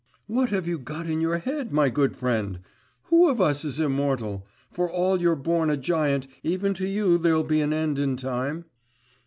'What have you got in your head, my good friend? Who of us is immortal? For all you're born a giant, even to you there'll be an end in time.